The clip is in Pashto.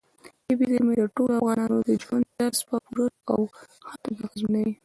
طبیعي زیرمې د ټولو افغانانو د ژوند طرز په پوره او ښه توګه اغېزمنوي.